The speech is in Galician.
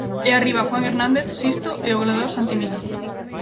E arriba, Juan Hernández, Sisto e o goleador Santi Mina.